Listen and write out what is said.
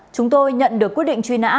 chúng tôi nhận được quyết định duy nã